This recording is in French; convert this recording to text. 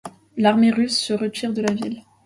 L'armée russe se retire de la ville.